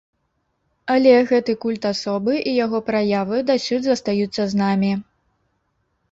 Але гэты культ асобы і яго праявы дасюль застаюцца з намі.